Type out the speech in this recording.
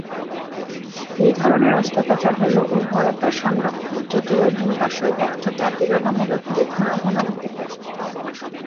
এই ধরনের অস্ত্রোপচার হল উর্বরতা-সংরক্ষণ, যদিও ডিম্বাশয় ব্যর্থতা তুলনামূলকভাবে ঘন ঘন হতে পারে।